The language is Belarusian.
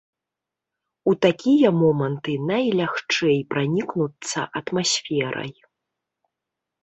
У такія моманты найлягчэй пранікнуцца атмасферай.